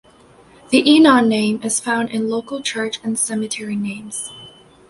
The Enon name is found in local church and cemetery names.